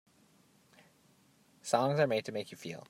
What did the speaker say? Songs are made to make you feel.